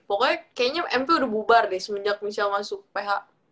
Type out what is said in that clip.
pokoknya kayaknya mp udah bubar deh semenjak misalnya masuk ph